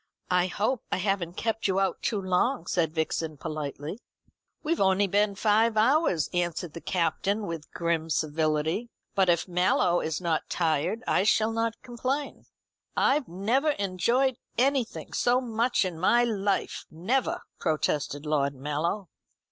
"I hope I haven't kept you out too long?" said Vixen politely. "We've only been five hours," answered the Captain with grim civility; "but if Mallow is not tired, I shall not complain." "I never enjoyed anything so much in my life, never," protested Lord Mallow.